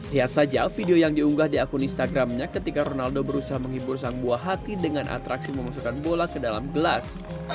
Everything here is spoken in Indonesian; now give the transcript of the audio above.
lihat saja video yang diunggah di akun instagramnya ketika ronaldo berusaha menghibur sang buah hati dengan atraksi memasukkan bola ke dalam gelas